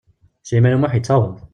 Sliman U Muḥ yettaweḍ.